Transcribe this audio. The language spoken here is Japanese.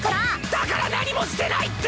だから何もしてないって！